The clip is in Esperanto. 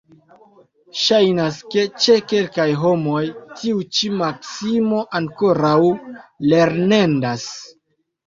Ŝajnas, ke ĉe kelkaj homoj tiu ĉi maksimo ankoraŭ lernendas.